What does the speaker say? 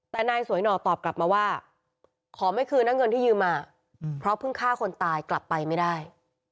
แต่นายสวยหน่อตอบกลับมาว่าขอไม่คืนนะเงินที่ยืมมาเพราะเพิ่งฆ่าคนตายกลับไปไม่ได้